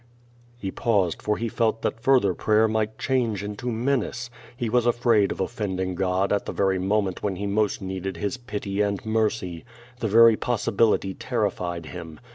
He paused, for he felt that further prayer might change into menace. He was afraid of offending God at the very moment when he most needed His pity and mercy. The very possi bility terrified him.